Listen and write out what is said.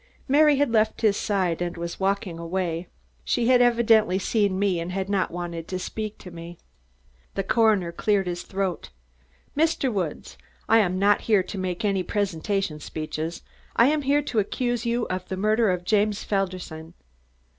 Mary had left his side and was walking away. She had evidently seen me and did not want to speak to me. The coroner cleared his throat. "Mr. Woods, I'm not here to make any presentation speeches. I am here to accuse you of the murder of James Felderson."